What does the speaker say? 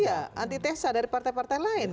iya antitesa dari partai partai lain